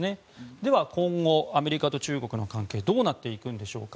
では、今後アメリカと中国の関係どうなっていくんでしょうか。